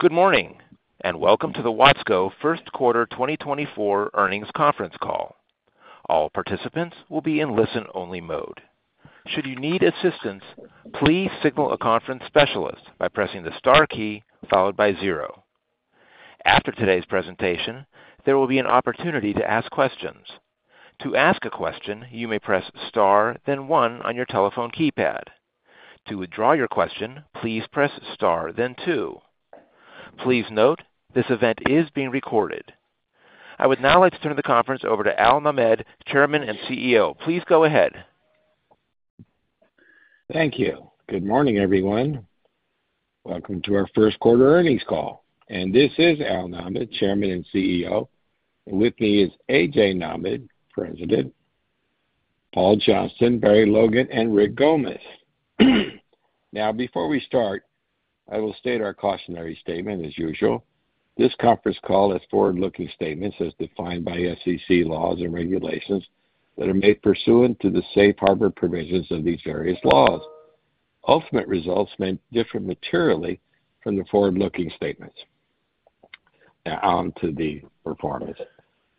Good morning and welcome to the Watsco Q1 2024 Earnings Conference Call. All participants will be in listen-only mode. Should you need assistance, please signal a conference specialist by pressing the star key followed by 0. After today's presentation, there will be an opportunity to ask questions. To ask a question, you may press star then 1 on your telephone keypad. To withdraw your question, please press star then 2. Please note, this event is being recorded. I would now like to turn the conference over to Al Nahmad, Chairman and CEO. Please go ahead. Thank you. Good morning, everyone. Welcome to our Q1 earnings call, and this is Al Nahmad, Chairman and CEO. With me is A.J. Nahmad, President; Paul Johnston, Barry Logan, and Rick Gomez. Now, before we start, I will state our cautionary statement as usual. This conference call is forward-looking statements as defined by SEC laws and regulations that are made pursuant to the safe harbor provisions of these various laws. Ultimate results may differ materially from the forward-looking statements. Now, on to the performance.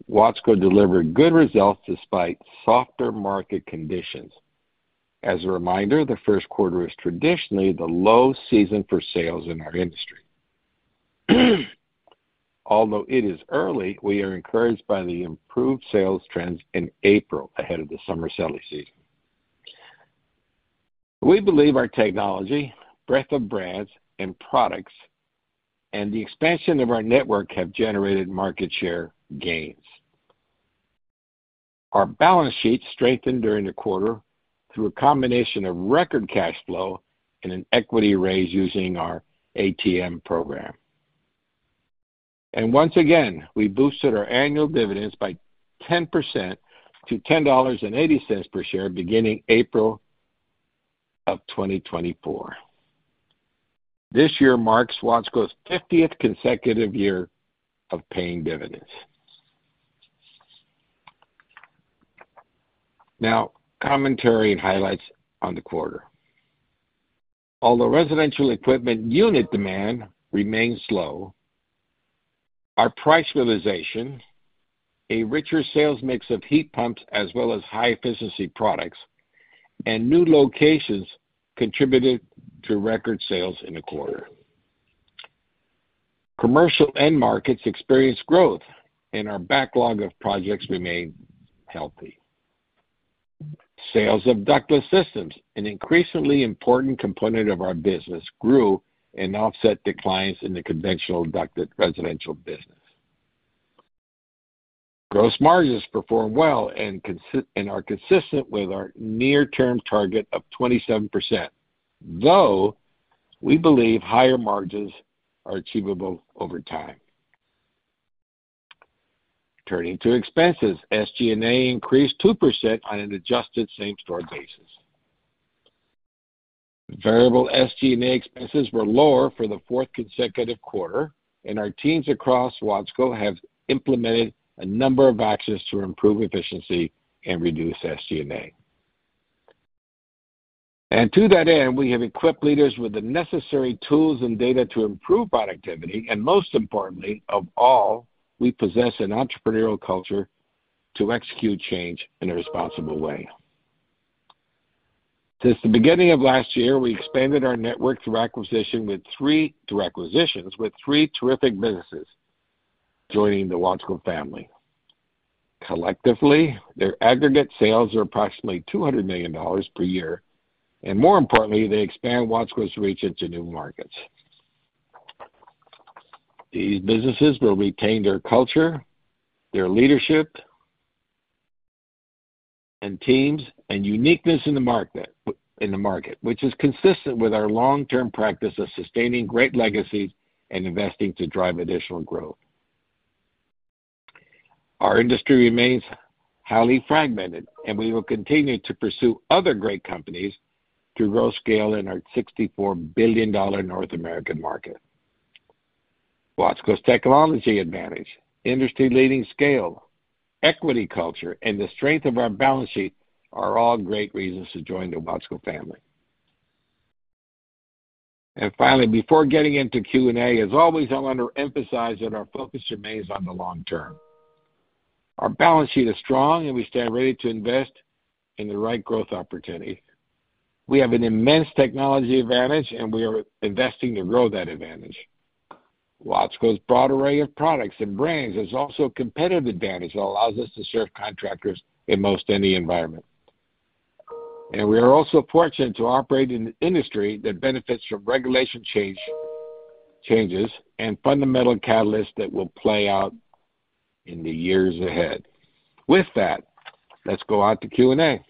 Watsco delivered good results despite softer market conditions. As a reminder, the Q1 is traditionally the low season for sales in our industry. Although it is early, we are encouraged by the improved sales trends in April ahead of the summer selling season. We believe our technology, breadth of brands and products, and the expansion of our network have generated market share gains. Our balance sheet strengthened during the quarter through a combination of record cash flow and an equity raise using our ATM program. Once again, we boosted our annual dividends by 10% to $10.80 per share beginning April of 2024. This year marks Watsco's 50th consecutive year of paying dividends. Now, commentary and highlights on the quarter. Although residential equipment unit demand remains slow, our price realization, a richer sales mix of heat pumps as well as high-efficiency products, and new locations contributed to record sales in the quarter. Commercial end markets experienced growth, and our backlog of projects remained healthy. Sales of ductless systems, an increasingly important component of our business, grew and offset declines in the conventional ducted residential business. Gross margins performed well and are consistent with our near-term target of 27%, though we believe higher margins are achievable over time. Turning to expenses, SG&A increased 2% on an adjusted same-store basis. Variable SG&A expenses were lower for the fourth consecutive quarter, and our teams across Watsco have implemented a number of actions to improve efficiency and reduce SG&A. To that end, we have equipped leaders with the necessary tools and data to improve productivity, and most importantly of all, we possess an entrepreneurial culture to execute change in a responsible way. Since the beginning of last year, we expanded our network through three acquisitions with three terrific businesses joining the Watsco family. Collectively, their aggregate sales are approximately $200 million per year, and more importantly, they expand Watsco's reach into new markets. These businesses will retain their culture, their leadership, and teams, and uniqueness in the market, which is consistent with our long-term practice of sustaining great legacies and investing to drive additional growth. Our industry remains highly fragmented, and we will continue to pursue other great companies to grow scale in our $64 billion North American market. Watsco's technology advantage, industry-leading scale, equity culture, and the strength of our balance sheet are all great reasons to join the Watsco family. And finally, before getting into Q&A, as always, I want to emphasize that our focus remains on the long term. Our balance sheet is strong, and we stand ready to invest in the right growth opportunities. We have an immense technology advantage, and we are investing to grow that advantage. Watsco's broad array of products and brands is also a competitive advantage that allows us to serve contractors in most any environment. And we are also fortunate to operate in an industry that benefits from regulation changes and fundamental catalysts that will play out in the years ahead. With that, let's go on to Q&A.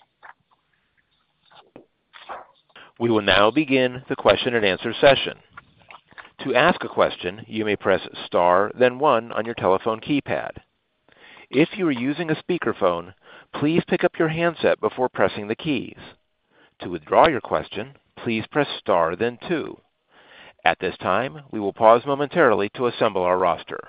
We will now begin the question and answer session. To ask a question, you may press star then 1 on your telephone keypad. If you are using a speakerphone, please pick up your handset before pressing the keys. To withdraw your question, please press star then 2. At this time, we will pause momentarily to assemble our roster.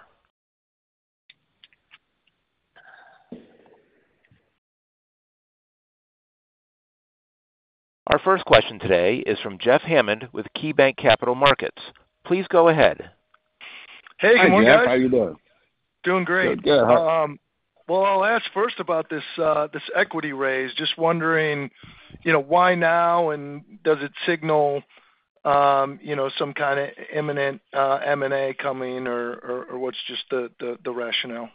Our first question today is from Jeff Hammond with KeyBanc Capital Markets. Please go ahead. Hey, good morning, guys. How are you, Jeff? How are you doing? Doing great. Good, good. Well, I'll ask first about this equity raise. Just wondering why now, and does it signal some kind of imminent M&A coming, or what's just the rationale?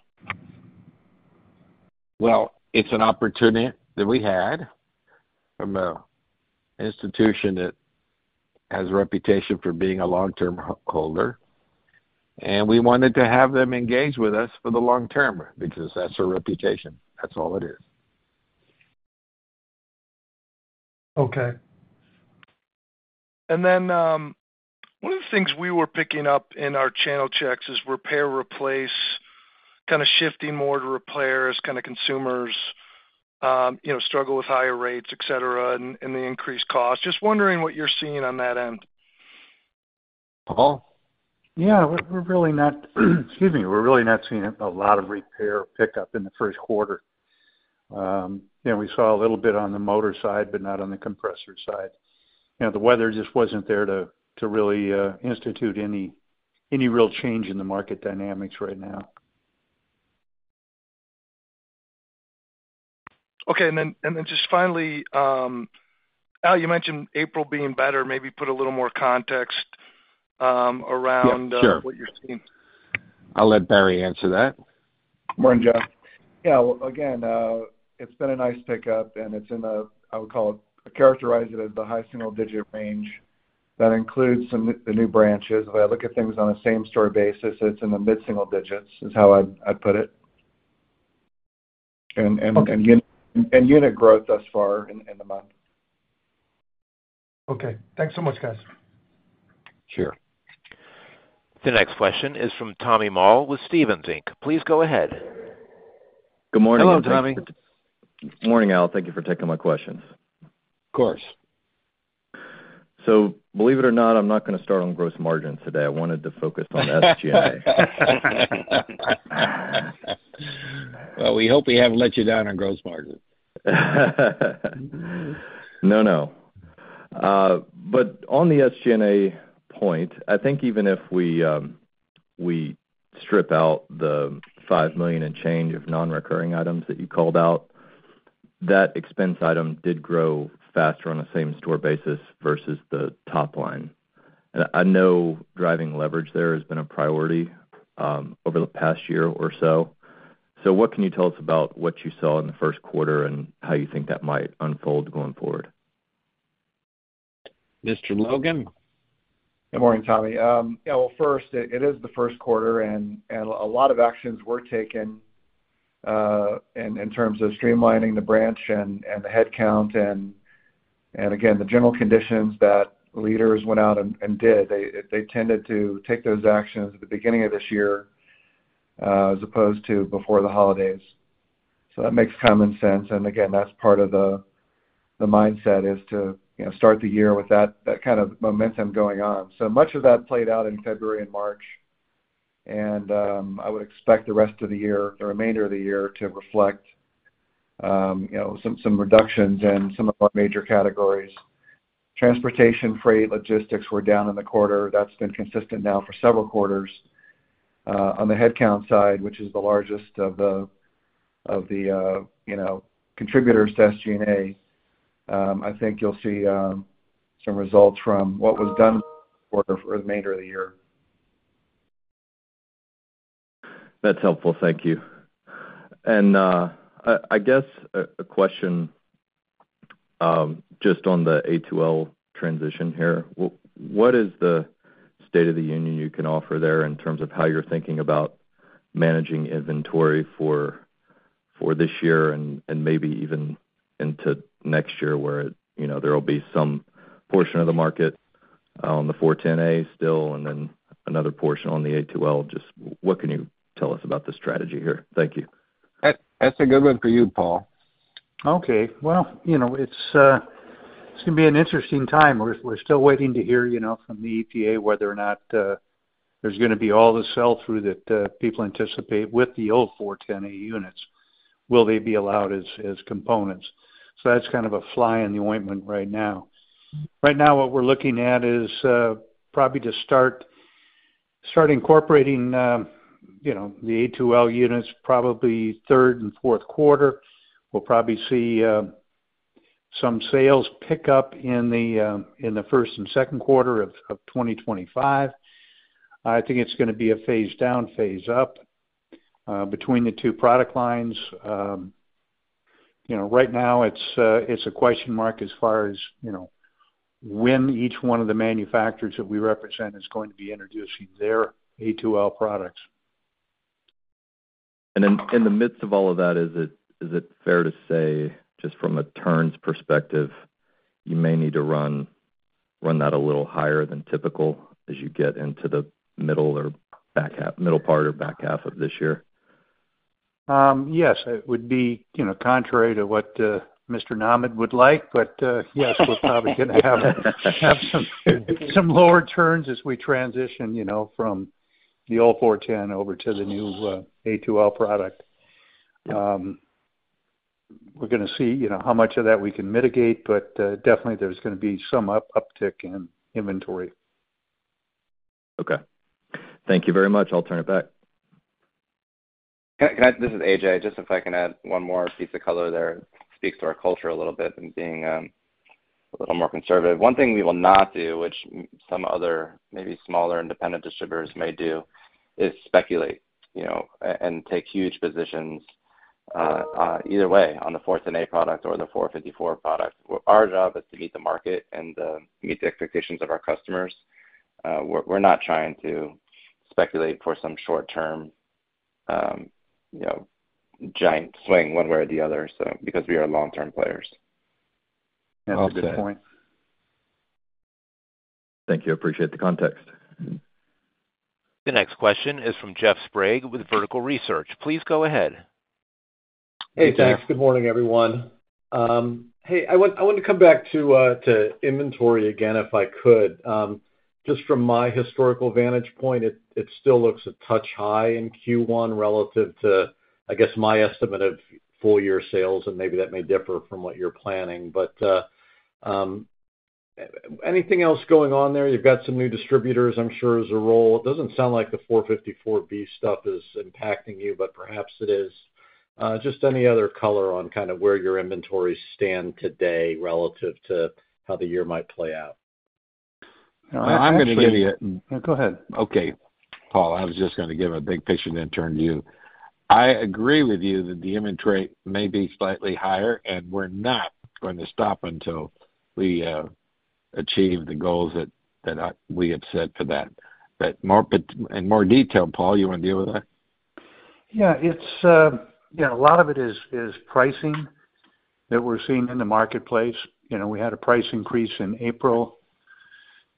Well, it's an opportunity that we had from an institution that has a reputation for being a long-term holder, and we wanted to have them engage with us for the long term because that's our reputation. That's all it is. Okay. And then one of the things we were picking up in our channel checks is repair replace, kind of shifting more to repairs as kind of consumers struggle with higher rates, etc., and the increased costs. Just wondering what you're seeing on that end. Yeah, we're really not, excuse me, we're really not seeing a lot of repair pickup in the Q1. We saw a little bit on the motor side, but not on the compressor side. The weather just wasn't there to really institute any real change in the market dynamics right now. Okay. And then just finally, Al, you mentioned April being better. Maybe put a little more context around what you're seeing. I'll let Barry answer that. Morning, Jeff. Yeah, again, it's been a nice pickup, and it's in the, I would characterize it as, the high single-digit range that includes the new branches. If I look at things on a same-store basis, it's in the mid-single digits is how I'd put it, and unit growth thus far in the month. Okay. Thanks so much, guys. Sure. The next question is from Tommy Moll with Stephens Inc. Please go ahead. Good morning, Tommy. Hello, Tommy. Morning, Al. Thank you for taking my questions. Of course. So believe it or not, I'm not going to start on gross margins today. I wanted to focus on SG&A. Well, we hope we haven't let you down on gross margins. No, no. But on the SG&A point, I think even if we strip out the $5 million and change of non-recurring items that you called out, that expense item did grow faster on a same-store basis versus the top line. And I know driving leverage there has been a priority over the past year or so. So what can you tell us about what you saw in the Q1 and how you think that might unfold going forward? Mr. Logan? Good morning, Tommy. Yeah, well, first, it is the Q1, and a lot of actions were taken in terms of streamlining the branch and the headcount. And again, the general conditions that leaders went out and did, they tended to take those actions at the beginning of this year as opposed to before the holidays. So that makes common sense. And again, that's part of the mindset is to start the year with that kind of momentum going on. So much of that played out in February and March, and I would expect the rest of the year, the remainder of the year, to reflect some reductions in some of our major categories. Transportation, freight, logistics were down in the quarter. That's been consistent now for several quarters. On the headcount side, which is the largest of the contributors to SG&A, I think you'll see some results from what was done in the quarter for the remainder of the year. That's helpful. Thank you. I guess a question just on the A2L transition here. What is the state of the union you can offer there in terms of how you're thinking about managing inventory for this year and maybe even into next year where there will be some portion of the market on the 410A still and then another portion on the A2L? Just what can you tell us about the strategy here? Thank you. That's a good one for you, Paul. Okay. Well, it's going to be an interesting time. We're still waiting to hear from the EPA whether or not there's going to be all the sell-through that people anticipate with the old 410A units. Will they be allowed as components? So that's kind of a fly in the ointment right now. Right now, what we're looking at is probably to start incorporating the A2L units probably third and Q4. We'll probably see some sales pickup in the first and Q2 of 2025. I think it's going to be a phase down, phase up between the two product lines. Right now, it's a question mark as far as when each one of the manufacturers that we represent is going to be introducing their A2L products. In the midst of all of that, is it fair to say just from a turns perspective, you may need to run that a little higher than typical as you get into the middle part or back half of this year? Yes. It would be contrary to what Mr. Nahmad would like, but yes, we're probably going to have some lower turns as we transition from the old 410 over to the new A2L product. We're going to see how much of that we can mitigate, but definitely, there's going to be some uptick in inventory. Okay. Thank you very much. I'll turn it back. This is A.J. Just if I can add one more piece of color there. It speaks to our culture a little bit and being a little more conservative. One thing we will not do, which some other maybe smaller independent distributors may do, is speculate and take huge positions either way on the 410A product or the 454 product. Our job is to meet the market and meet the expectations of our customers. We're not trying to speculate for some short-term giant swing one way or the other because we are long-term players. That's a good point. Thank you. I appreciate the context. The next question is from Jeff Sprague with Vertical Research. Please go ahead. Hey, thanks. Good morning, everyone. Hey, I wanted to come back to inventory again if I could. Just from my historical vantage point, it still looks a touch high in Q1 relative to, I guess, my estimate of full-year sales, and maybe that may differ from what you're planning. But anything else going on there? You've got some new distributors, I'm sure, as a rule. It doesn't sound like the 454B stuff is impacting you, but perhaps it is. Just any other color on kind of where your inventories stand today relative to how the year might play out? I'm going to give you a go ahead. Okay, Paul, I was just going to give a big picture and then turn to you. I agree with you that the inventory may be slightly higher, and we're not going to stop until we achieve the goals that we have set for that. In more detail, Paul, you want to deal with that? Yeah. A lot of it is pricing that we're seeing in the marketplace. We had a price increase in April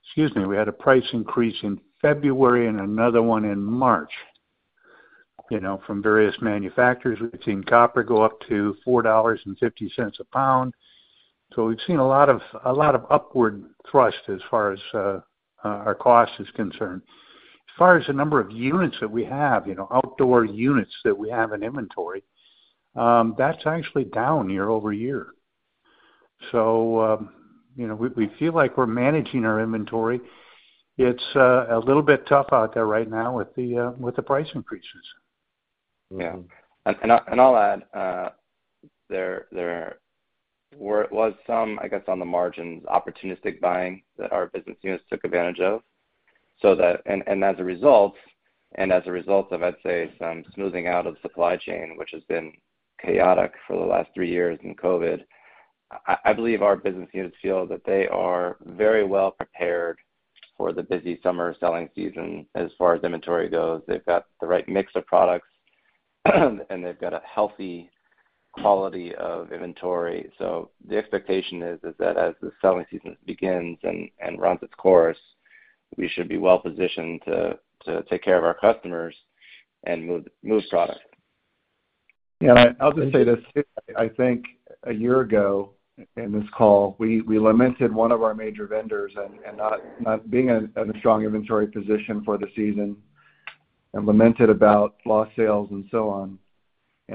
excuse me. We had a price increase in February and another one in March from various manufacturers. We've seen copper go up to $4.50 a pound. So we've seen a lot of upward thrust as far as our cost is concerned. As far as the number of units that we have, outdoor units that we have in inventory, that's actually down year over year. So we feel like we're managing our inventory. It's a little bit tough out there right now with the price increases. Yeah. I'll add there was some, I guess, on the margins, opportunistic buying that our business units took advantage of. As a result, and as a result of, I'd say, some smoothing out of supply chain, which has been chaotic for the last three years and COVID, I believe our business units feel that they are very well prepared for the busy summer selling season as far as inventory goes. They've got the right mix of products, and they've got a healthy quality of inventory. So the expectation is that as the selling season begins and runs its course, we should be well positioned to take care of our customers and move product. Yeah. I'll just say this. I think a year ago in this call, we lamented one of our major vendors and not being in a strong inventory position for the season and lamented about lost sales and so on.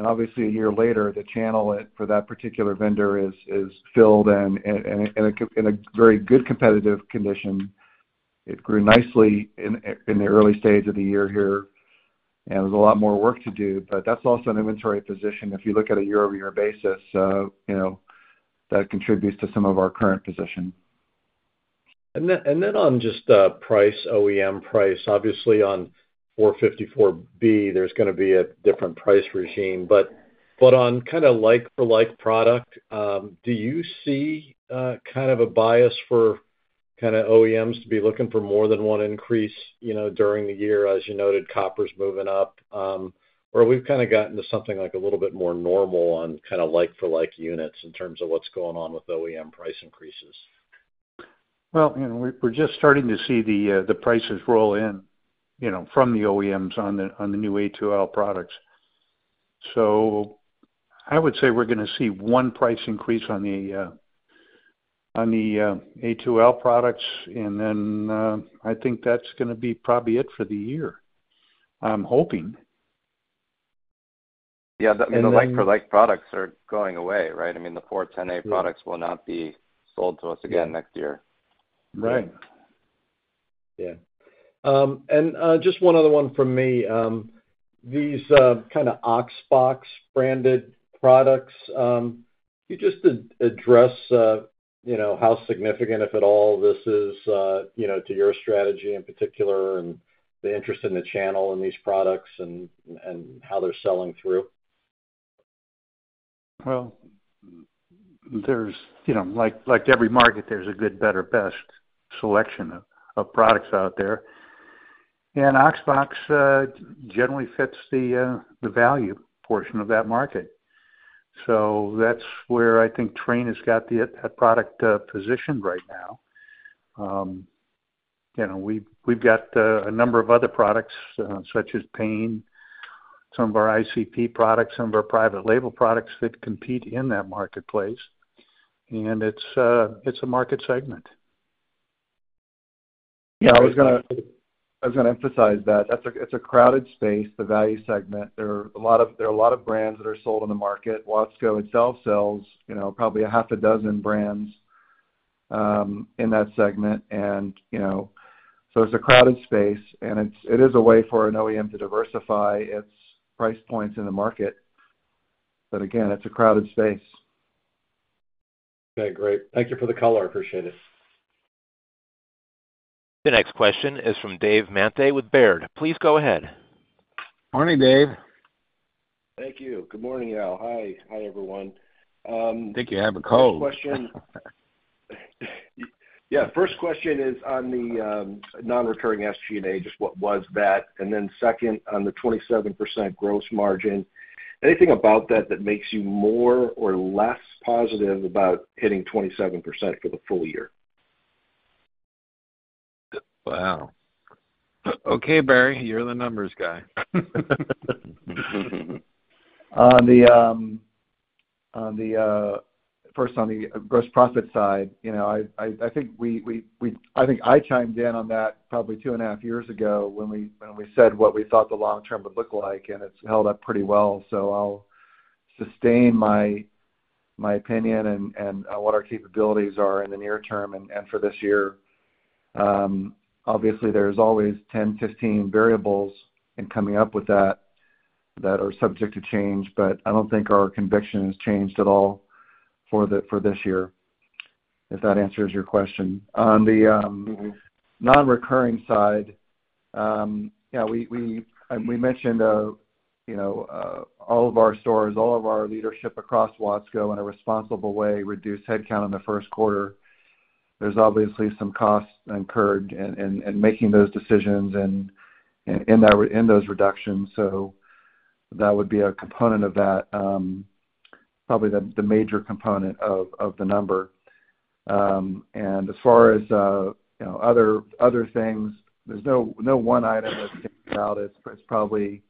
Obviously, a year later, the channel for that particular vendor is filled in a very good competitive condition. It grew nicely in the early stages of the year here, and there's a lot more work to do. That's also an inventory position if you look at a year-over-year basis that contributes to some of our current position. On just price, OEM price, obviously, on 454B, there's going to be a different price regime. On kind of like-for-like product, do you see kind of a bias for kind of OEMs to be looking for more than one increase during the year? As you noted, copper's moving up, or we've kind of gotten to something a little bit more normal on kind of like-for-like units in terms of what's going on with OEM price increases. Well, we're just starting to see the prices roll in from the OEMs on the new A2L products. So I would say we're going to see one price increase on the A2L products, and then I think that's going to be probably it for the year. I'm hoping. Yeah. I mean, the like-for-like products are going away, right? I mean, the 410A products will not be sold to us again next year. Right. Yeah. And just one other one from me. These kind of Oxbox-branded products, could you just address how significant, if at all, this is to your strategy in particular and the interest in the channel in these products and how they're selling through? Well, like every market, there's a good, better, best selection of products out there. And Oxbox generally fits the value portion of that market. So that's where I think Trane has got that product positioned right now. We've got a number of other products such as Payne, some of our ICP products, some of our private label products that compete in that marketplace. And it's a market segment. Yeah. I was going to emphasize that. It's a crowded space, the value segment. There are a lot of brands that are sold in the market. Watsco itself sells probably 6 brands in that segment. And so it's a crowded space, and it is a way for an OEM to diversify its price points in the market. But again, it's a crowded space. Okay. Great. Thank you for the color. I appreciate it. The next question is from Dave Manthey with Baird. Please go ahead. Morning, Dave. Thank you. Good morning, Al. Hi, everyone. Thank you. Have a cold. Yeah. First question is on the non-recurring SG&A, just what was that? And then second, on the 27% gross margin, anything about that that makes you more or less positive about hitting 27% for the full year? Wow. Okay, Barry, you're the numbers guy. First, on the gross profit side, I think I chimed in on that probably 2.5 years ago when we said what we thought the long term would look like, and it's held up pretty well. So I'll sustain my opinion and what our capabilities are in the near term and for this year. Obviously, there's always 10-15 variables in coming up with that that are subject to change, but I don't think our conviction has changed at all for this year, if that answers your question. On the non-recurring side, yeah, we mentioned all of our stores, all of our leadership across Watsco, in a responsible way, reduce headcount in the Q1. There's obviously some costs incurred in making those decisions and in those reductions. So that would be a component of that, probably the major component of the number. As far as other things, there's no one item that stands out. It's probably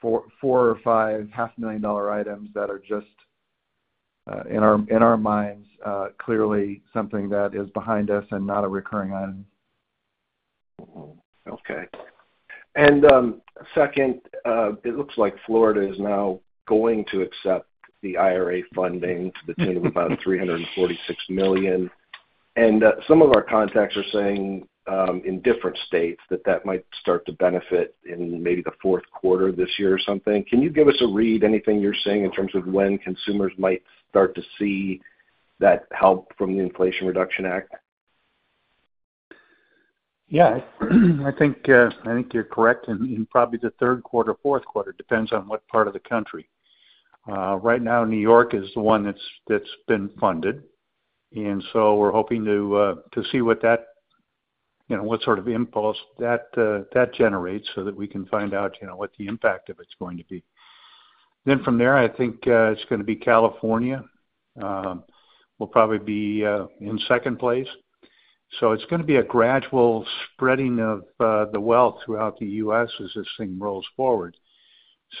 4 or 5 $500,000 items that are just, in our minds, clearly something that is behind us and not a recurring item. Okay. And second, it looks like Florida is now going to accept the IRA funding to the tune of about $346 million. And some of our contacts are saying in different states that that might start to benefit in maybe the Q4 this year or something. Can you give us a read, anything you're seeing in terms of when consumers might start to see that help from the Inflation Reduction Act? Yeah. I think you're correct. In probably the Q3, Q4, depends on what part of the country. Right now, New York is the one that's been funded. And so we're hoping to see what sort of impulse that generates so that we can find out what the impact of it's going to be. Then from there, I think it's going to be California. We'll probably be in second place. So it's going to be a gradual spreading of the wealth throughout the U.S. as this thing rolls forward.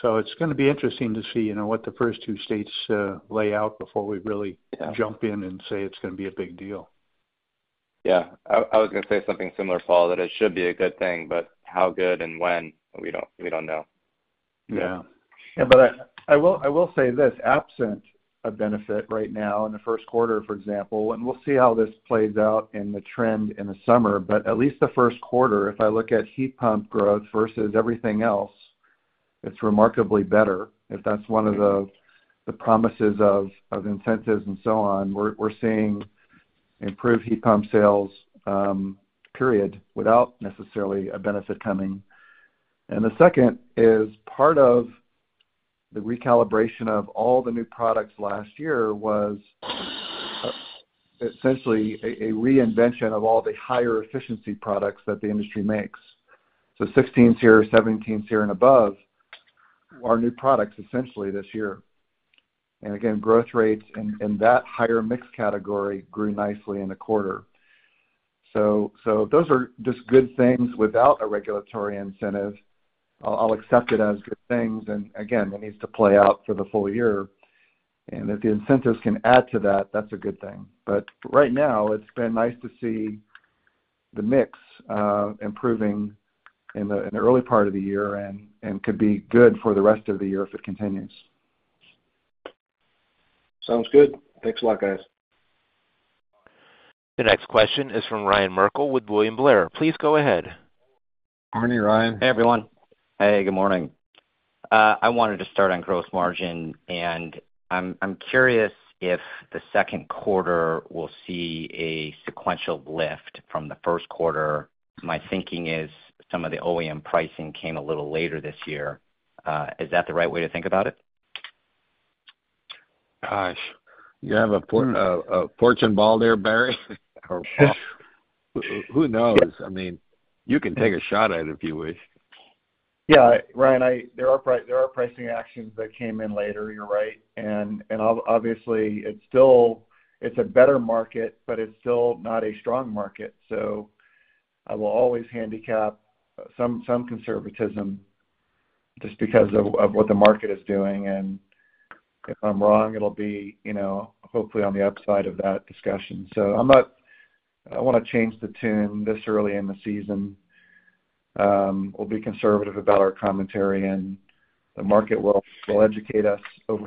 So it's going to be interesting to see what the first two states lay out before we really jump in and say it's going to be a big deal. Yeah. I was going to say something similar, Paul, that it should be a good thing, but how good and when, we don't know. Yeah. Yeah. But I will say this. Absent a benefit right now in the Q1, for example, and we'll see how this plays out in the trend in the summer, but at least the Q1, if I look at heat pump growth versus everything else, it's remarkably better. If that's one of the promises of incentives and so on, we're seeing improved heat pump sales, period, without necessarily a benefit coming. And the second is part of the recalibration of all the new products last year was essentially a reinvention of all the higher efficiency products that the industry makes. So '16s here, '17s here, and above are new products, essentially, this year. And again, growth rates in that higher mix category grew nicely in the quarter. So those are just good things without a regulatory incentive. I'll accept it as good things. And again, it needs to play out for the full year. And if the incentives can add to that, that's a good thing. But right now, it's been nice to see the mix improving in the early part of the year and could be good for the rest of the year if it continues. Sounds good. Thanks a lot, guys. The next question is from Ryan Merkel with William Blair. Please go ahead. Morning, Ryan. Hey, everyone. Hey, good morning. I wanted to start on gross margin, and I'm curious if the Q2 will see a sequential lift from the Q1. My thinking is some of the OEM pricing came a little later this year. Is that the right way to think about it? Gosh. You have a fortune ball there, Barry. Who knows? I mean, you can take a shot at it if you wish. Yeah, Ryan, there are pricing actions that came in later. You're right. And obviously, it's a better market, but it's still not a strong market. So I will always handicap some conservatism just because of what the market is doing. And if I'm wrong, it'll be hopefully on the upside of that discussion. So I want to change the tune this early in the season. We'll be conservative about our commentary, and the market will educate us over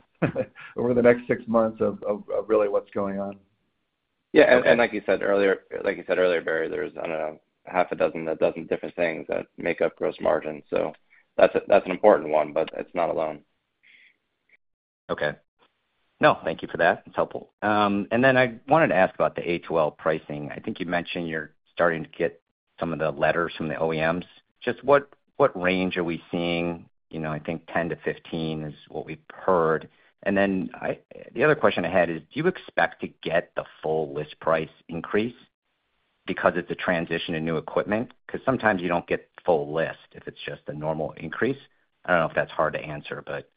the next six months of really what's going on. Yeah. And like you said earlier, like you said earlier, Barry, there's, I don't know, half a dozen, a dozen different things that make up gross margin. So that's an important one, but it's not alone. Okay. No, thank you for that. It's helpful. And then I wanted to ask about the A2L pricing. I think you mentioned you're starting to get some of the letters from the OEMs. Just what range are we seeing? I think 10%-15% is what we've heard. And then the other question ahead is, do you expect to get the full list price increase because it's a transition to new equipment? Because sometimes you don't get full list if it's just a normal increase. I don't know if that's hard to answer, but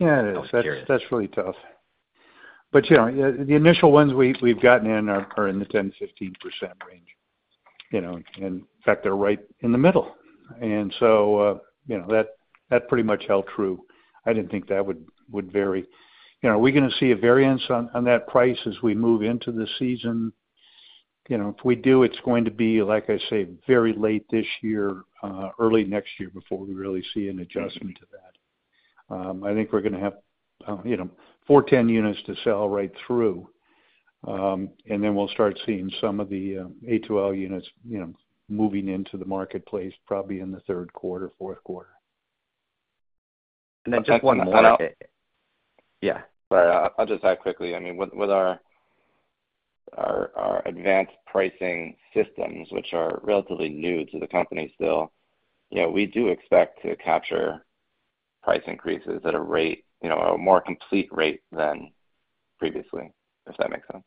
I was curious. Yeah. That's really tough. But the initial ones we've gotten in are in the 10%-15% range. And in fact, they're right in the middle. And so that pretty much held true. I didn't think that would vary. Are we going to see a variance on that price as we move into the season? If we do, it's going to be, like I say, very late this year, early next year before we really see an adjustment to that. I think we're going to have 410 units to sell right through, and then we'll start seeing some of the A2L units moving into the marketplace probably in the Q3, Q4. And then, just one last, yeah. But I'll just ask quickly. I mean, with our advanced pricing systems, which are relatively new to the company still, we do expect to capture price increases at a rate, a more complete rate than previously, if that makes sense.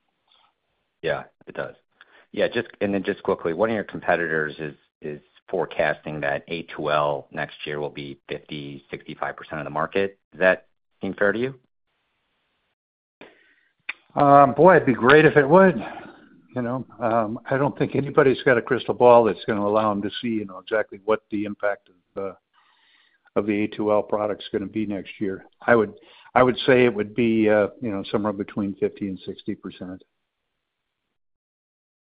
Yeah, it does. Yeah. And then, just quickly, one of your competitors is forecasting that A2L next year will be 50%-65% of the market. Does that seem fair to you? Boy, it'd be great if it would. I don't think anybody's got a crystal ball that's going to allow them to see exactly what the impact of the A2L product's going to be next year. I would say it would be somewhere between 50% and 60%.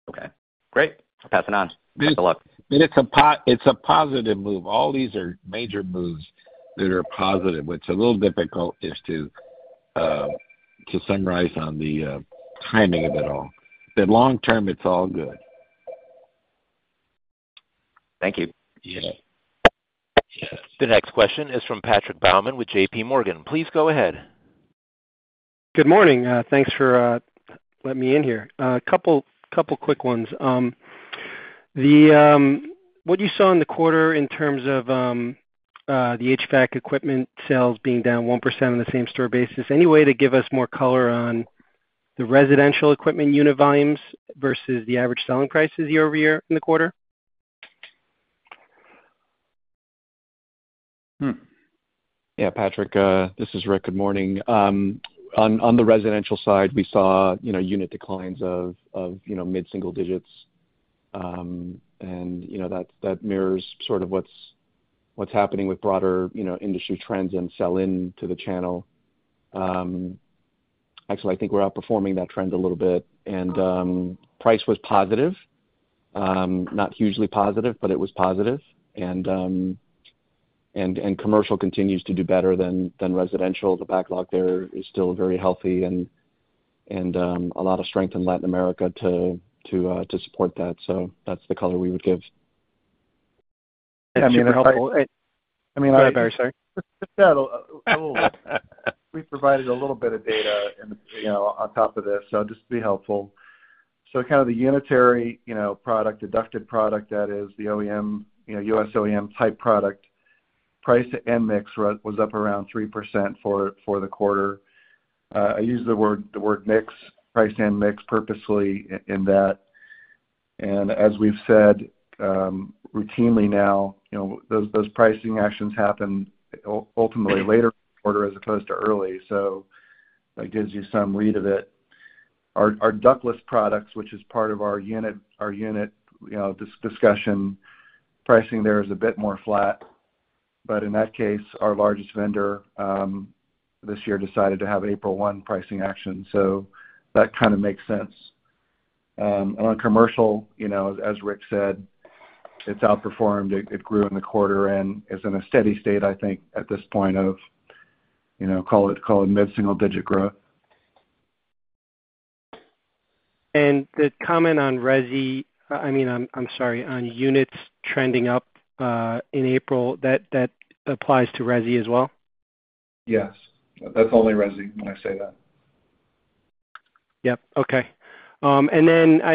Okay. Great. Passing on. Have a good luck. It's a positive move. All these are major moves that are positive. What's a little difficult is to summarize on the timing of it all. Long term, it's all good. Thank you. The next question is from Patrick Baumann with JP Morgan. Please go ahead. Good morning. Thanks for letting me in here. A couple of quick ones. What you saw in the quarter in terms of the HVAC equipment sales being down 1% on the same store basis, any way to give us more color on the residential equipment unit volumes versus the average selling prices year-over-year in the quarter? Yeah, Patrick. This is Rick. Good morning. On the residential side, we saw unit declines of mid-single digits, and that mirrors sort of what's happening with broader industry trends and sell-in to the channel. Actually, I think we're outperforming that trend a little bit. And price was positive. Not hugely positive, but it was positive. And commercial continues to do better than residential. The backlog there is still very healthy and a lot of strength in Latin America to support that. So that's the color we would give. Yeah. I mean, they're helpful. I mean, all right, Barry. Sorry. Yeah. We provided a little bit of data on top of this, so just to be helpful. So kind of the unitary product, ducted product, that is, the US OEM-type product, price to end mix was up around 3% for the quarter. I use the word mix, price-end mix, purposely in that. And as we've said routinely now, those pricing actions happen ultimately later in the quarter as opposed to early. So that gives you some read of it. Our ductless products, which is part of our unit discussion, pricing there is a bit more flat. But in that case, our largest vendor this year decided to have April 1 pricing action. So that kind of makes sense. And on commercial, as Rick said, it's outperformed. It grew in the quarter and is in a steady state, I think, at this point of, call it mid-single-digit growth. The comment on Resi, I mean, I'm sorry, on units trending up in April, that applies to Resi as well? Yes. That's only Resi when I say that. Yep. Okay. I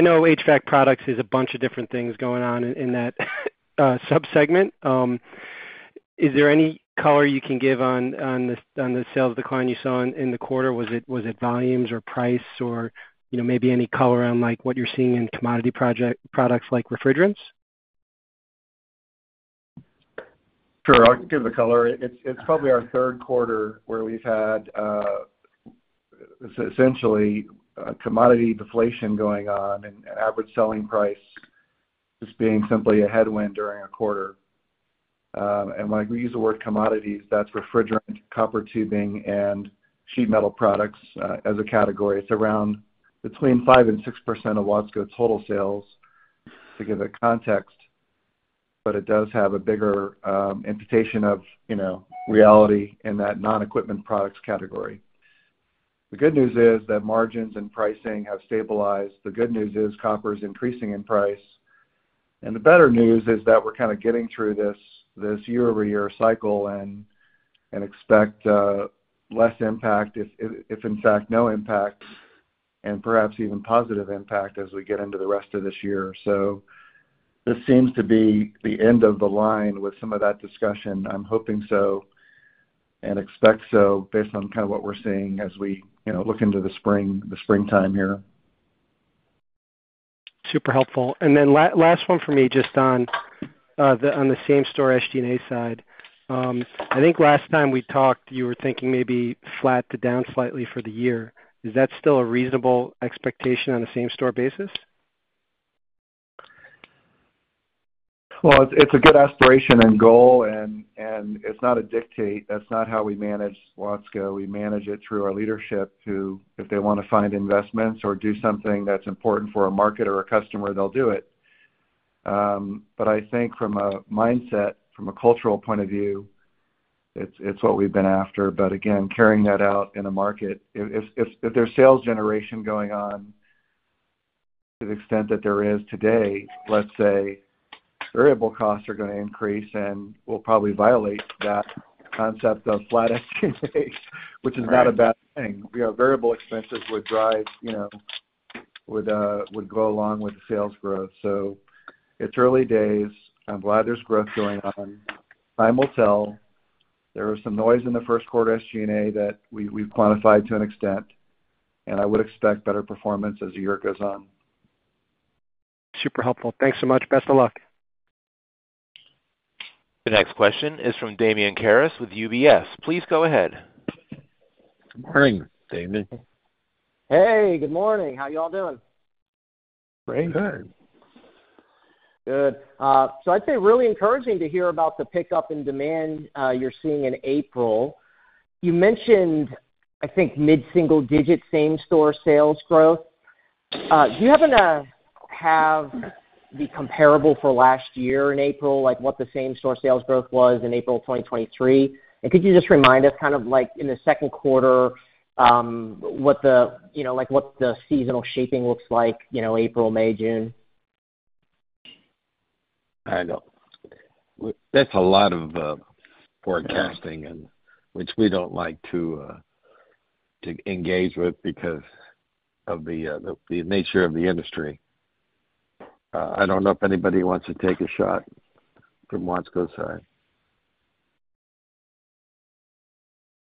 know HVAC products is a bunch of different things going on in that subsegment. Is there any color you can give on the sales decline you saw in the quarter? Was it volumes or price or maybe any color on what you're seeing in commodity products like refrigerants? Sure. I'll give the color. It's probably our Q3 where we've had essentially commodity deflation going on and average selling price just being simply a headwind during a quarter. And when we use the word commodities, that's refrigerant, copper tubing, and sheet metal products as a category. It's around between 5%-6% of Watsco total sales, to give it context, but it does have a bigger imputation of reality in that non-equipment products category. The good news is that margins and pricing have stabilized. The good news is copper's increasing in price. And the better news is that we're kind of getting through this year-over-year cycle and expect less impact, if in fact, no impact, and perhaps even positive impact as we get into the rest of this year. So this seems to be the end of the line with some of that discussion. I'm hoping so and expect so based on kind of what we're seeing as we look into the springtime here. Super helpful. And then last one for me just on the same-store SG&A side. I think last time we talked, you were thinking maybe flat to down slightly for the year. Is that still a reasonable expectation on the same-store basis? Well, it's a good aspiration and goal, and it's not a dictate. That's not how we manage Watsco. We manage it through our leadership who, if they want to find investments or do something that's important for a market or a customer, they'll do it. But I think from a mindset, from a cultural point of view, it's what we've been after. But again, carrying that out in a market, if there's sales generation going on to the extent that there is today, let's say variable costs are going to increase, and we'll probably violate that concept of flat SG&A, which is not a bad thing. Variable expenses would go along with sales growth. So it's early days. I'm glad there's growth going on. Time will tell. There was some noise in the Q1 SG&A that we've quantified to an extent, and I would expect better performance as the year goes on. Super helpful. Thanks so much. Best of luck. The next question is from Damian Karas with UBS. Please go ahead. Good morning, Damian. Hey. Good morning. How y'all doing? Great. Good. Good. So I'd say really encouraging to hear about the pickup in demand you're seeing in April. You mentioned, I think, mid-single digit same-store sales growth. Do you happen to have the comparable for last year in April, what the same-store sales growth was in April 2023? And could you just remind us kind of in the Q2 what the seasonal shaping looks like, April, May, June? I know. That's a lot of forecasting, which we don't like to engage with because of the nature of the industry. I don't know if anybody wants to take a shot from Watsco's side.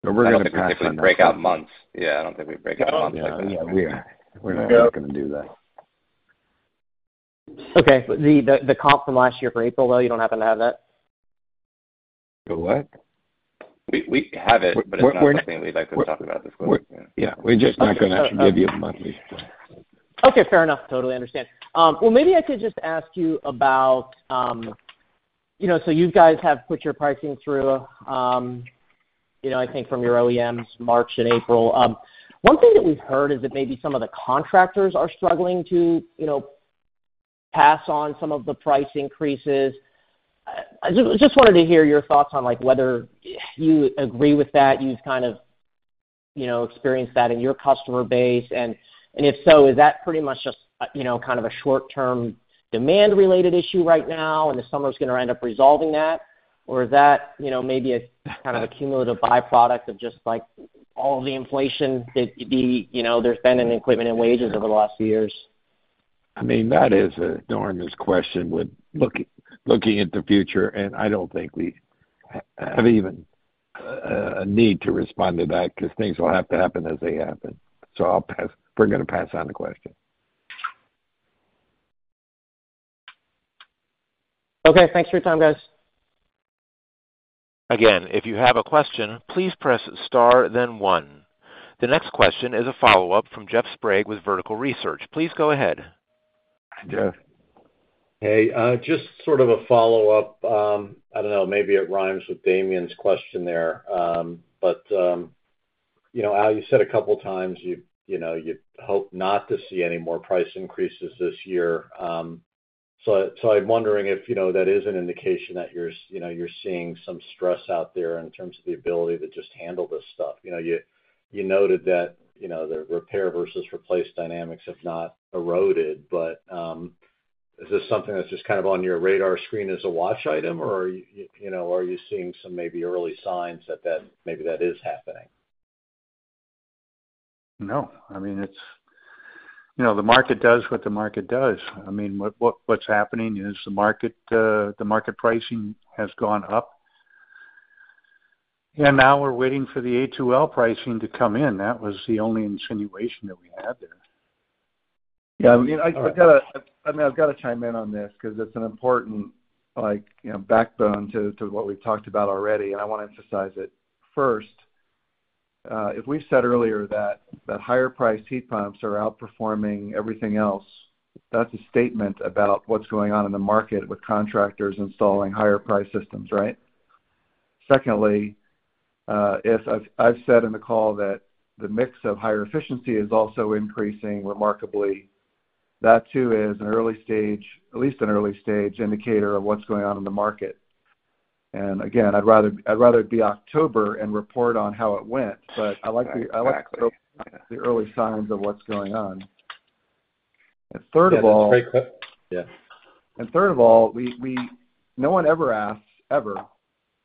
We're going to pass on that. I don't think we break out months. Yeah. I don't think we break out months like that. Yeah. Yeah. We're not going to do that. Okay. The comp from last year for April, though, you don't happen to have that? The what? We have it, but it's not something we'd like to talk about this quarter. Yeah. We're just not going to actually give you a monthly. Okay. Fair enough. Totally understand. Well, maybe I could just ask you about so you guys have put your pricing through, I think, from your OEMs, March and April. One thing that we've heard is that maybe some of the contractors are struggling to pass on some of the price increases. I just wanted to hear your thoughts on whether you agree with that. You've kind of experienced that in your customer base. And if so, is that pretty much just kind of a short-term demand-related issue right now, and the summer's going to end up resolving that? Or is that maybe kind of a cumulative byproduct of just all of the inflation that there's been in equipment and wages over the last few years? I mean, that is a tremendous question looking into the future, and I don't think we have even a need to respond to that because things will have to happen as they happen. So we're going to pass on the question. Okay. Thanks for your time, guys. Again, if you have a question, please press star, then one. The next question is a follow-up from Jeff Sprague with Vertical Research. Please go ahead. Hi, Jeff. Hey. Just sort of a follow-up. I don't know. Maybe it rhymes with Damian's question there. But, Al, you said a couple of times you'd hope not to see any more price increases this year. So I'm wondering if that is an indication that you're seeing some stress out there in terms of the ability to just handle this stuff. You noted that the repair versus replace dynamics have not eroded, but is this something that's just kind of on your radar screen as a watch item, or are you seeing some maybe early signs that maybe that is happening? No. I mean, the market does what the market does. I mean, what's happening is the market pricing has gone up. And now we're waiting for the A2L pricing to come in. That was the only insinuation that we had there. Yeah. I mean, I've got to chime in on this because it's an important backbone to what we've talked about already. I want to emphasize it first. If we've said earlier that higher-priced heat pumps are outperforming everything else, that's a statement about what's going on in the market with contractors installing higher-priced systems, right? Secondly, I've said in the call that the mix of higher efficiency is also increasing remarkably. That, too, is an early stage, at least an early stage, indicator of what's going on in the market. And again, I'd rather be October and report on how it went, but I like to see the early signs of what's going on. And third of all. Yeah. That's very clear. Third of all, no one ever asks, ever,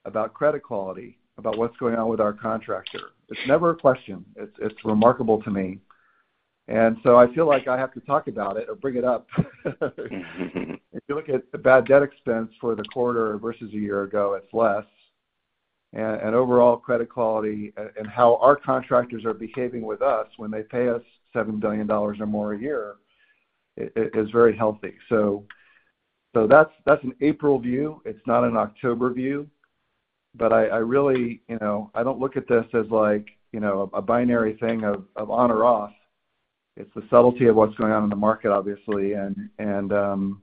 about credit quality, about what's going on with our contractor. It's never a question. It's remarkable to me. And so I feel like I have to talk about it or bring it up. If you look at the bad debt expense for the quarter versus a year ago, it's less. And overall, credit quality and how our contractors are behaving with us when they pay us $7 billion or more a year is very healthy. So that's an April view. It's not an October view. But I really don't look at this as a binary thing of on or off. It's the subtlety of what's going on in the market, obviously. And the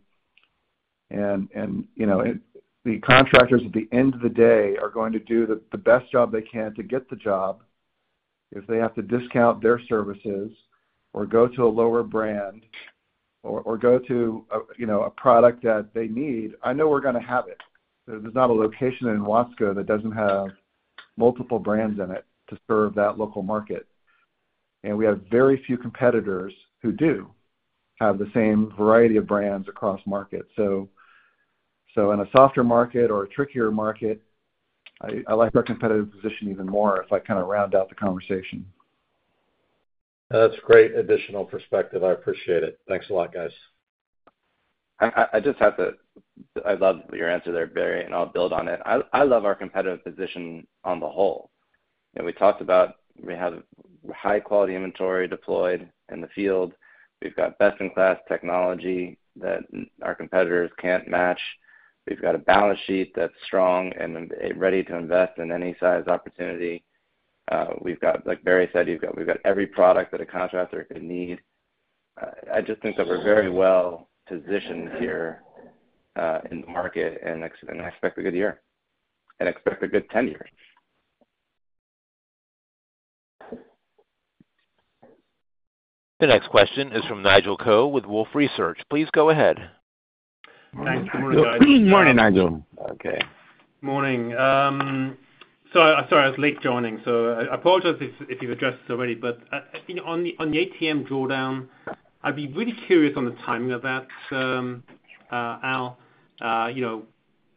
contractors, at the end of the day, are going to do the best job they can to get the job. If they have to discount their services or go to a lower brand or go to a product that they need, I know we're going to have it. There's not a location in Watsco that doesn't have multiple brands in it to serve that local market. We have very few competitors who do have the same variety of brands across markets. In a softer market or a trickier market, I like our competitive position even more if I kind of round out the conversation. That's great additional perspective. I appreciate it. Thanks a lot, guys. I loved your answer there, Barry, and I'll build on it. I love our competitive position on the whole. We talked about. We have high-quality inventory deployed in the field. We've got best-in-class technology that our competitors can't match. We've got a balance sheet that's strong and ready to invest in any size opportunity. We've got, like Barry said, we've got every product that a contractor could need. I just think that we're very well positioned here in the market, and I expect a good year and expect a good tenure. The next question is from Nigel Coe with Wolfe Research. Please go ahead. Thanks. Good morning, guys. Good morning, Nigel. Okay. Morning. So sorry, I was late joining. So I apologize if you've addressed this already, but on the ATM drawdown, I'd be really curious on the timing of that, Al.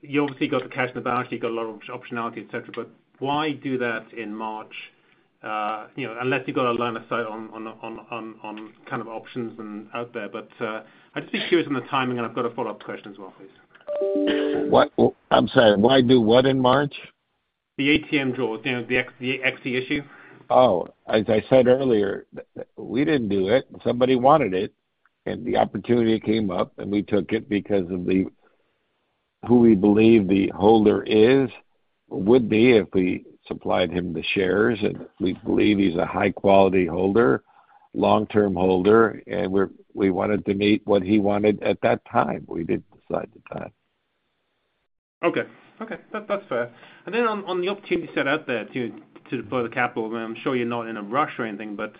You obviously got the cash in the balance sheet. You've got a lot of optionality, etc. But why do that in March unless you've got a line of sight on kind of options out there? But I'd just be curious on the timing, and I've got a follow-up question as well, please. I'm sorry. Why do what in March? The ATM draw, the equity issue. Oh. As I said earlier, we didn't do it. Somebody wanted it, and the opportunity came up, and we took it because of who we believe the holder would be if we supplied him the shares. And we believe he's a high-quality holder, long-term holder, and we wanted to meet what he wanted at that time. We did decide to do that. Okay. Okay. That's fair. And then on the opportunity set out there to deploy the capital, and I'm sure you're not in a rush or anything, but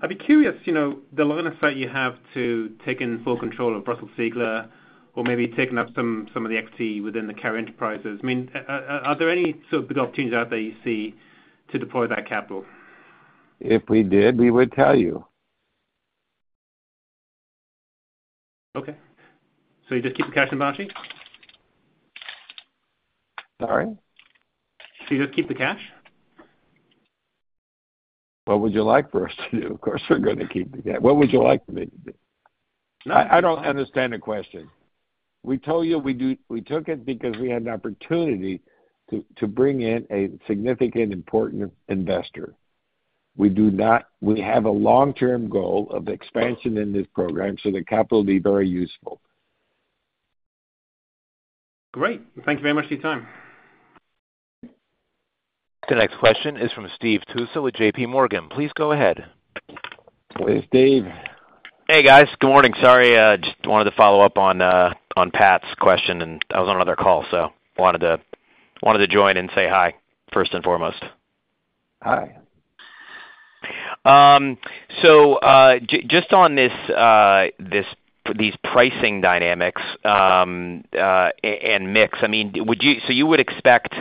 I'd be curious, the line of sight you have to take in full control of Russell Sigler or maybe taking up some of the equity within the Carrier Enterprise, I mean, are there any sort of big opportunities out there you see to deploy that capital? If we did, we would tell you. Okay. So you just keep the cash in the balance sheet? Sorry? You just keep the cash? What would you like for us to do? Of course, we're going to keep the cash. What would you like for me to do? I don't understand the question. We told you we took it because we had an opportunity to bring in a significant, important investor. We have a long-term goal of expansion in this program so the capital would be very useful. Great. Thank you very much for your time. The next question is from Steve Tusa with JP Morgan. Please go ahead. Where's Dave? Hey, guys. Good morning. Sorry. Just wanted to follow up on Pat's question, and I was on another call, so wanted to join and say hi first and foremost. Hi. So just on these pricing dynamics and mix, I mean, would you so you would expect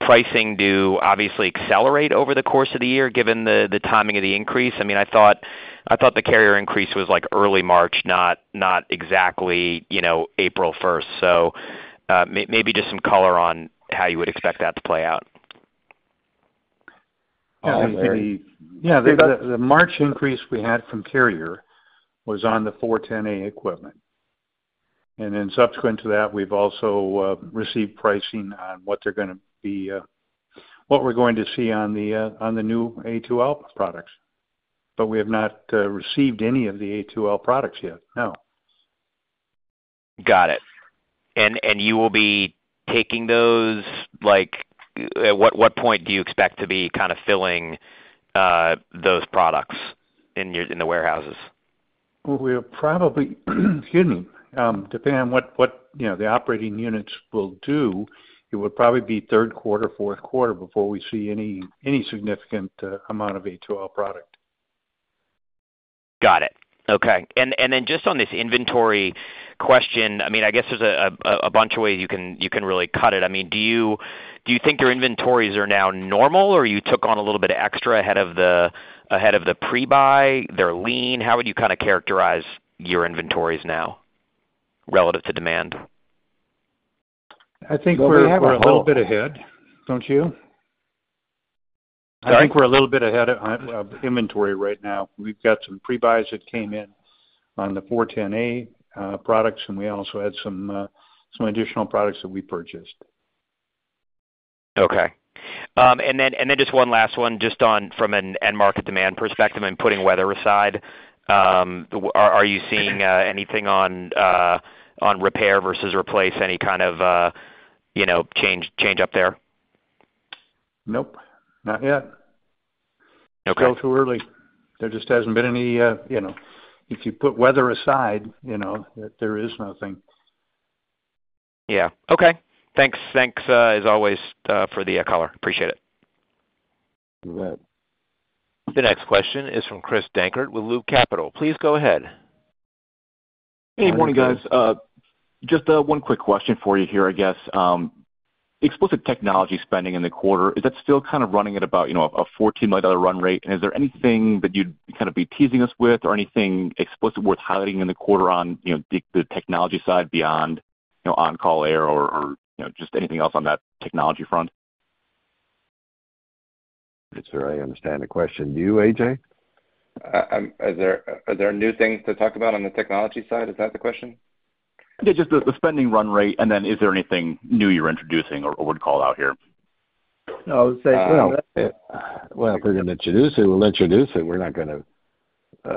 pricing to obviously accelerate over the course of the year given the timing of the increase? I mean, I thought the Carrier increase was early March, not exactly April 1st. So maybe just some color on how you would expect that to play out. Yeah. The March increase we had from Carrier was on the 410A equipment. And then subsequent to that, we've also received pricing on what they're going to be what we're going to see on the new A2L products. But we have not received any of the A2L products yet, no. Got it. You will be taking those. At what point do you expect to be kind of filling those products in the warehouses? Well, we'll probably. Excuse me. Depending on what the operating units will do, it would probably be Q3, Q4 before we see any significant amount of A2L product. Got it. Okay. And then just on this inventory question, I mean, I guess there's a bunch of ways you can really cut it. I mean, do you think your inventories are now normal, or you took on a little bit extra ahead of the pre-buy? They're lean. How would you kind of characterize your inventories now relative to demand? I think we're a little bit ahead, don't you? Sorry? I think we're a little bit ahead of inventory right now. We've got some pre-buys that came in on the 410A products, and we also had some additional products that we purchased. Okay. And then just one last one, just from an end-market demand perspective and putting weather aside, are you seeing anything on repair versus replace, any kind of change up there? Nope. Not yet. It's still too early. There just hasn't been any. If you put weather aside, there is nothing. Yeah. Okay. Thanks, as always, for the color. Appreciate it. You bet. The next question is from Chris Dankert with Loop Capital. Please go ahead. Hey. Good morning, guys. Just one quick question for you here, I guess. Explicit technology spending in the quarter, is that still kind of running at about a $14 million run rate? And is there anything that you'd kind of be teasing us with or anything explicit worth highlighting in the quarter on the technology side beyond OnCall Air or just anything else on that technology front? I'm not sure I understand the question. Do you, A.J.? Are there new things to talk about on the technology side? Is that the question? Yeah. Just the spending run rate, and then is there anything new you're introducing or would call out here? No. Well, if we're going to introduce it, we'll introduce it. We're not going to.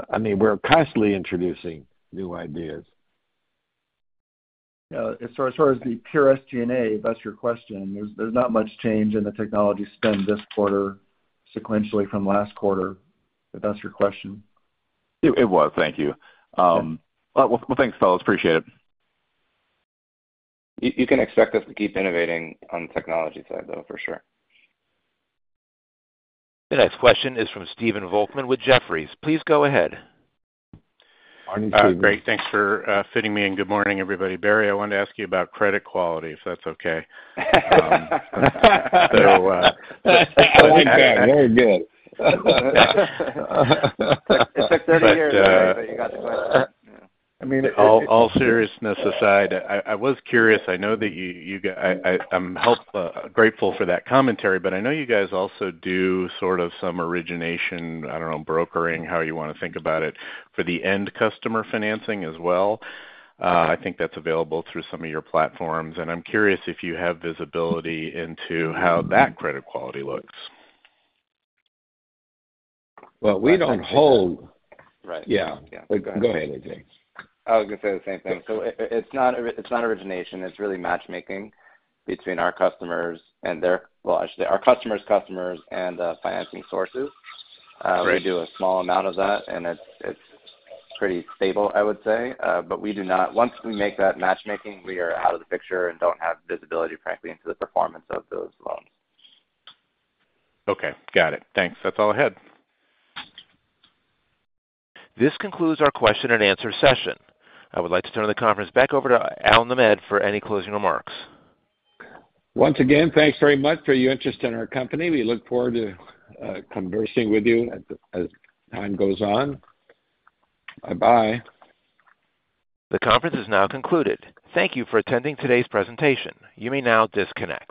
I mean, we're constantly introducing new ideas. As far as the pure SG&A, if that's your question, there's not much change in the technology spend this quarter sequentially from last quarter, if that's your question. It was. Thank you. Well, thanks, fellas. Appreciate it. You can expect us to keep innovating on the technology side, though, for sure. The next question is from Stephen Volkmann with Jefferies. Please go ahead. Morning, Stephen. Great. Thanks for fitting me, and good morning, everybody. Barry, I wanted to ask you about credit quality, if that's okay. I think that. Very good. It took 30 years, Barry, but you got the question. I mean, all seriousness aside, I was curious. I know that you. I'm grateful for that commentary, but I know you guys also do sort of some origination, I don't know, brokering, how you want to think about it, for the end customer financing as well. I think that's available through some of your platforms. I'm curious if you have visibility into how that credit quality looks. Well, we don't hold. Right. Yeah. Go ahead, A.J. I was going to say the same thing. So it's not origination. It's really matchmaking between our customers and their, well, I should say, our customer's customers and financing sources. We do a small amount of that, and it's pretty stable, I would say. But once we make that matchmaking, we are out of the picture and don't have visibility, frankly, into the performance of those loans. Okay. Got it. Thanks. That's all ahead. This concludes our question-and-answer session. I would like to turn the conference back over to Albert Nahmad for any closing remarks. Once again, thanks very much for your interest in our company. We look forward to conversing with you as time goes on. Bye-bye. The conference is now concluded. Thank you for attending today's presentation. You may now disconnect.